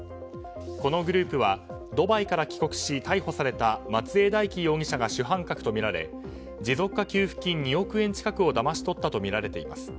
このグループはドバイから帰国し逮捕された松江大樹容疑者が主犯格とみられ持続化給付金２億円近くをだまし取ったとみられています。